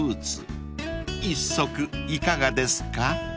［１足いかがですか？］